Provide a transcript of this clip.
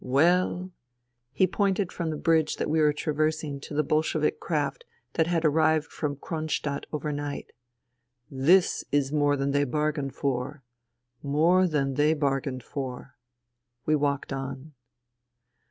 Well,* — he pointed from the bridge that we were traversing to the Bolshevik craft that had arrived from Kron stadt overnight —" this is more than they bar gained for. More than they bargained for." We walked on.